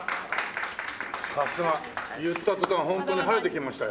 さすが言った途端本当に晴れてきましたよ。